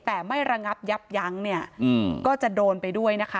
แต่ไม่ระงับยับยั้งเนี่ยก็จะโดนไปด้วยนะคะ